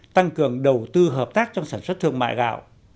tăng cường đầu tư hợp tác trong sản xuất thương mại gạo